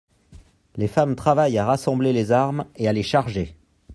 Les femmes travaillent à rassembler les armes et à les charger.